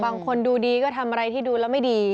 บางคนดูดีก็ทำอะไรที่ดูแล้วไม่ดี